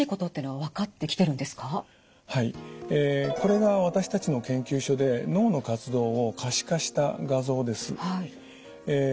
はいこれが私たちの研究所で脳の活動を可視化した画像です。